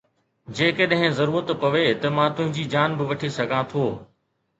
جيڪڏهن ضرورت پوي ته مان تنهنجي جان به وٺي سگهان ٿو